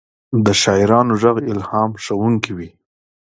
د شاعرانو ږغ الهام بښونکی وي.